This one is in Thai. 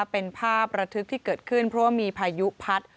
เป็นภาพระทึกที่เกิดขึ้นเพราะว่ามีพายุพัด